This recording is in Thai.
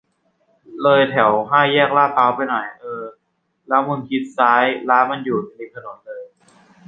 เลยแถวห้าแยกไปหน่อย เออ แล้วมึงชิดซ้าย ร้านมันอยู่ริมถนนเลย